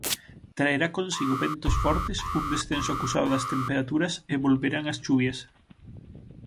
Traerá consigo ventos fortes, un descenso acusado das temperaturas e volverán as chuvias.